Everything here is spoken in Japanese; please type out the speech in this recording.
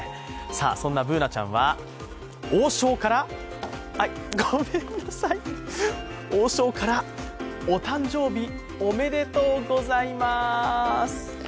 さあ、そんなＢｏｏｎａちゃんは、王将からごめんなさい、王将から、お誕生日おめでとうございます！